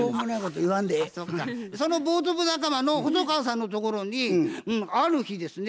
そのボート部仲間の細川さんのところにある日ですね